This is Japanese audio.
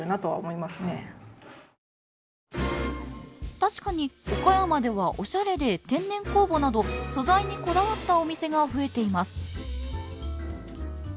確かに岡山ではおしゃれで天然酵母など素材にこだわったお店が増えています